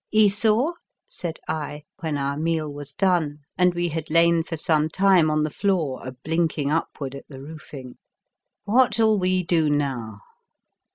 11 Esau," said I, when our meal was done, and we had lain for some time 99 The Fearsome Island on the floor a blinking upward at the roofing, " what shall we do now?"